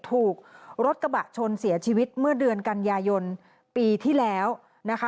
ถูกรถกระบะชนเสียชีวิตเมื่อเดือนกันยายนปีที่แล้วนะคะ